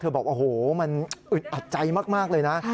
เธอบอกว่าโอ้โหมันอัดใจมากเลยนะฮะ